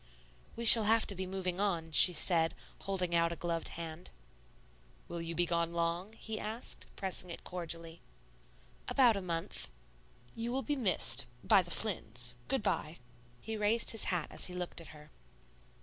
"We shall have to be moving on," she said, holding out a gloved hand. "Will you be gone long?" he asked, pressing it cordially. "About a month." "You will be missed by the Flynns. Good by." He raised his hat as he looked at her.